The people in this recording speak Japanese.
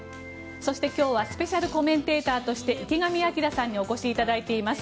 そして、今日はスペシャルコメンテーターとして池上彰さんにお越しいただいています。